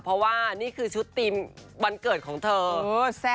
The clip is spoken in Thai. เพราะว่านี่คือชุดทีมวันเกิดของเธอ